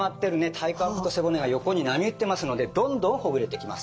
体幹と背骨が横に波打ってますのでどんどんほぐれてきます。